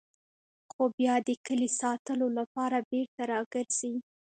خو بیا د کلي ساتلو لپاره بېرته راګرځي.